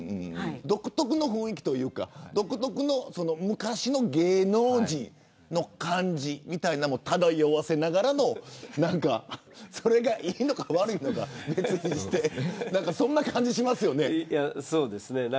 独特の雰囲気というか独特の昔の芸能人の感じみたいなものも漂わせながらそれがいいのか悪いのか別にしてなんか、そんな感じですよね。